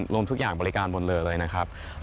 รวมทุกอย่างบริการหมดเลยนะครับ